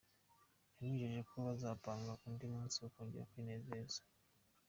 Yamwijeje ko bazapanga undi munsi bakongera kwinezeza.